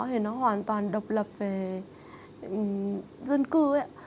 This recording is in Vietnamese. thì nó hoàn toàn độc lập về dân cư ấy ạ